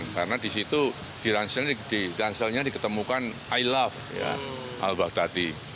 karena di situ di ranselnya diketemukan i love al baghdadi